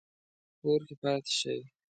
کور کې پاتې شئ